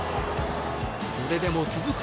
それでも続く